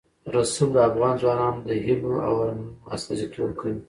رسوب د افغان ځوانانو د هیلو او ارمانونو استازیتوب کوي.